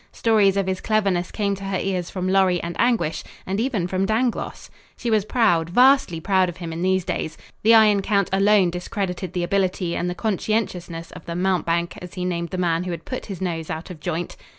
Stories of his cleverness came to her ears from Lorry and Anguish and even from Dangloss. She was proud, vastly proud of him in these days. The Iron Count alone discredited the ability and the conscientiousness of the "mountebank," as he named the man who had put his nose out of joint.